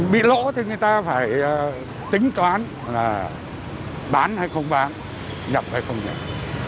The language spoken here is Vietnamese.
bị lỗ thì người ta phải tính toán là bán hay không bán nhập hay không nhập